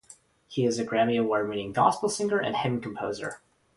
He is a Grammy Award-winning gospel singer and hymn composer.